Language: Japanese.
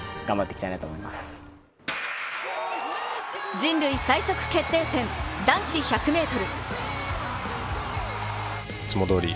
人類最速決定戦男子１００ｍ。